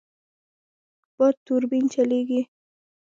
باد توربین چلېږي.